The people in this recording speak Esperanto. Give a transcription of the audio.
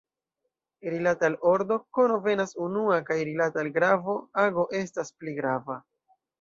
Rilate al ordo, kono venas unua, kaj rilate al gravo, ago estas pli grava.